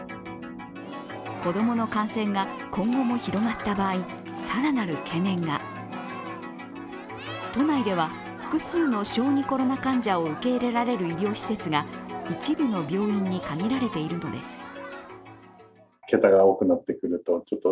子供の感染が今後も広がった場合、さらなる懸念が都内では複数の小児コロナ患者を受け入れられる医療施設が一部の病院に限られているのです。